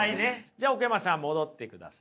じゃあ奥山さん戻ってください。